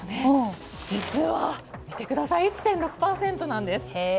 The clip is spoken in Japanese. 実は、１．６％なんです。